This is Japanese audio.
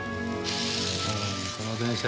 この電車